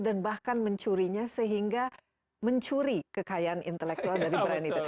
dan bahkan mencurinya sehingga mencuri kekayaan intelektual dari brand itu